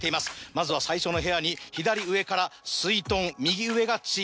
まずは最初の部屋に左上からすいとん右上がちーたーです。